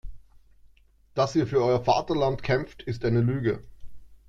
Dass ihr für euer Vaterland kämpft, ist eine Lüge.